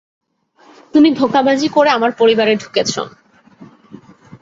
তুমি ধোঁকাবাজি করে আমার পরিবারে ঢুকেছো।